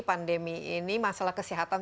pandemi ini masalah kesehatan